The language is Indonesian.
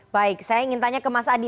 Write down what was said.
baik saya ingin tanya ke mas adi